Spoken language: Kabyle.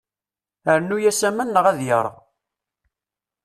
Rnu-as aman neɣ ad ireɣ.